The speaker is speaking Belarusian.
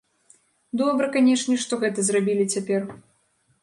Добра, канешне, што гэта зрабілі цяпер.